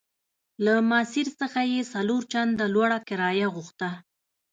له ماسیر څخه یې څلور چنده لوړه کرایه غوښته.